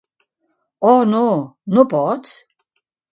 Oh no! No pots?